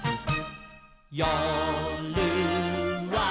「よるは」